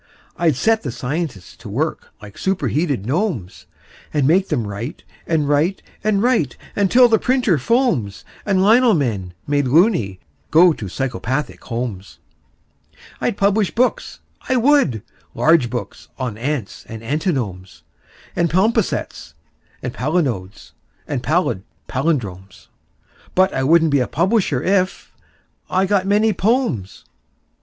I'd set the scientists to work like superheated gnomes, And make them write and write and write until the printer foams And lino men, made "loony", go to psychopathic homes. I'd publish books, I would large books on ants and antinomes And palimpsests and palinodes and pallid pallindromes: But I wouldn't be a publisher if .... I got many "pomes."